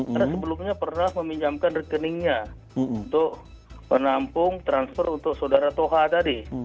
karena sebelumnya pernah meminjamkan rekeningnya untuk penampung transfer untuk saudara toha tadi